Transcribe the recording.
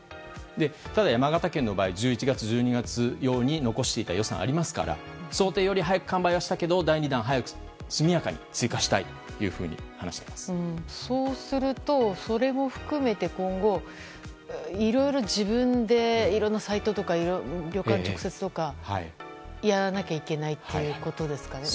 ただ、山形県の場合１１月、１２月用に残していた予算がありますから想定より早く完売はしたけど第２弾を速やかに追加したいとそうするとそれも含めて今後、いろいろ自分でいろんなサイトや旅館を直接やらなきゃいけないということですかね。